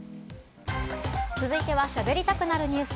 続いては、しゃべりたくなるニュス。